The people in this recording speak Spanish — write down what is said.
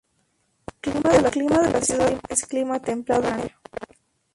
El clima de la ciudad es clima templado mediterráneo.